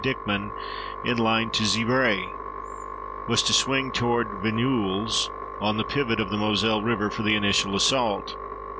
Dickman, in line to Xivray, was to swing toward Vigneulles on the pivot of the Moselle River for the initial assault.